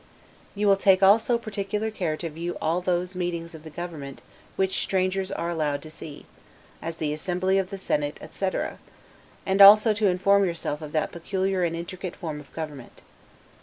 You will take also particular care to view all those meetings of the government, which strangers are allowed to see; as the Assembly of the Senate, etc., and also to inform yourself of that peculiar and intricate form of government.